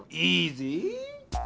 いいぜぇ！